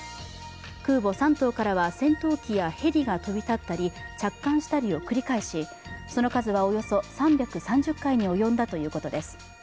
空母「山東」からは戦闘機やヘリが飛び立ったり着艦したりを繰り返し、その数はおよそ３３０回に及んだということです。